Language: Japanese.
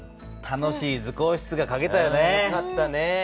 楽しい図工室がかけたよね。